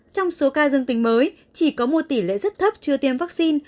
trong số ca dân tình mới chỉ có một tỷ lệ rất thấp chưa tiêm vaccine